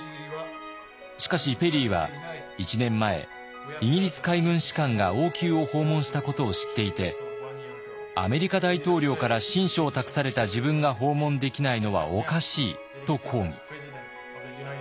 しかしペリーは１年前イギリス海軍士官が王宮を訪問したことを知っていてアメリカ大統領から親書を託された自分が訪問できないのはおかしいと抗議。